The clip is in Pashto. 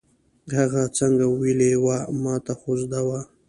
هغه څنګه ویلې وه، ما ته خو زده وه.